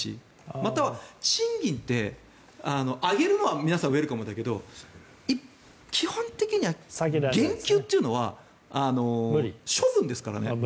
または賃金って、上げるのは皆さんウェルカムだけど基本的には減給というのは処分ですからね。